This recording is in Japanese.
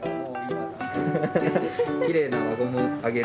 きれいな輪ゴムあげる。